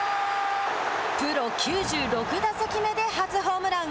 プロ９６打席目で初ホームラン。